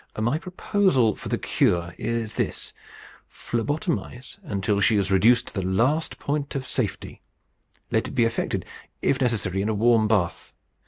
My proposal for the cure is this: "Phlebotomize until she is reduced to the last point of safety. Let it be affected, if necessary, in a warm bath.